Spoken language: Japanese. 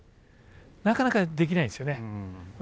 なかなかできないんですよね。